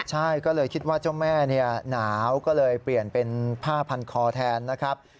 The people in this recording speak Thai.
ใช่ก็เลยคิดว่าเจ้าแม่หนาวก็เลยเปลี่ยนเป็นผ้าพันคอแทนนะครับ